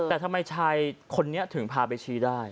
แต่ทำไมชายคนนี้ถึงพาไปชี้ได้